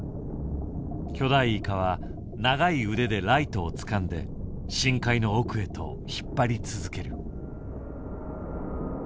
巨大イカは長い腕でライトをつかんで深海の奥へと引っ張り続ける。